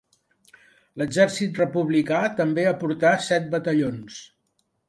L'exèrcit republicà també aportà set batallons.